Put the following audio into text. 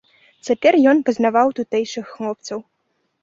Цяпер ён пазнаваў тутэйшых хлопцаў.